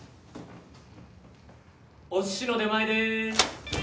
お寿司の出前でーす。